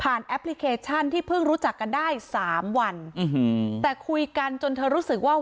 แอปพลิเคชันที่เพิ่งรู้จักกันได้สามวันแต่คุยกันจนเธอรู้สึกว่า